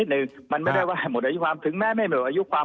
นิดนึงมันไม่ได้ว่าหมดอายุความ